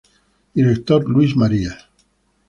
Director: Luis Marías.